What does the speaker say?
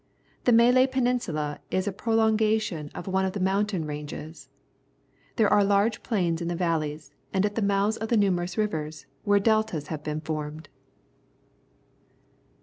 The Malay Peninsula is a pro longation of one of the mountain ranges. There are large plains in the valleys and at the mouths of the numerous rivers, where deltas have been formed.